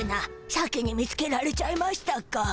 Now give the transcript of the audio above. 先に見つけられちゃいましたか。